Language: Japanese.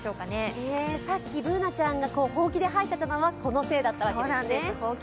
さっきＢｏｏｎａちゃんがほうきで掃いていたのは、このせいだったんですね。